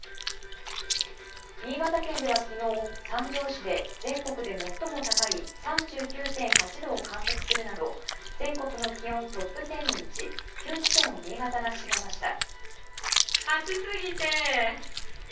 新潟県では昨日三条市で全国で最も高い３９．８度を観測するなど全国の気温トップ１０のうち９地点を新潟が占めました。